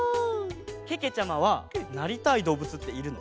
けけちゃまはなりたいどうぶつっているの？